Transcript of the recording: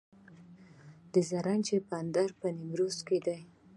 د زرنج بندر په نیمروز کې دی